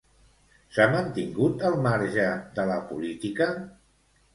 S'ha mantingut al marge de la política?